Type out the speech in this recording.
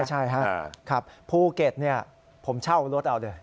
ใช่ครับภูเก็ตผมเช่ารถเอาเลย